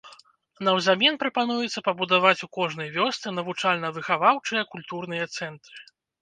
Наўзамен прапануецца пабудаваць у кожнай вёсцы навучальна-выхаваўчыя культурныя цэнтры.